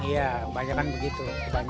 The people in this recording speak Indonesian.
iya kebanyakan begitu